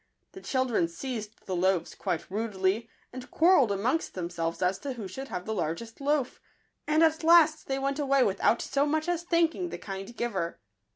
The children seized the loaves quite rudely, and quarrelled among themselves as to who should have the largest loaf ; and at last they went away without so much as thanking the kind giver.